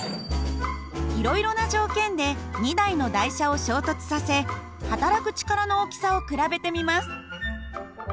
いろいろな条件で２台の台車を衝突させはたらく力の大きさを比べてみます。